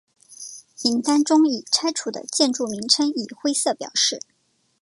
名单中已拆除的建筑名称以灰色表示。